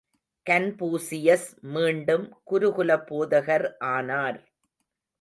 Confucius மீண்டும் குருகுல போதகர் ஆனார்!